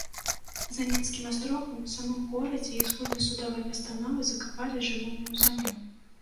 За мінскім астрогам, у самым горадзе, іх, згодна судовай пастановы, закапалі жывымі ў зямлю.